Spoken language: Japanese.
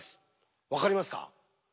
わかりますか？